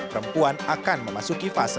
perempuan akan memasuki fase